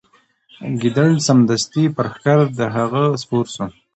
ګیدړ سمدستي پر ښکر د هغه سپور سو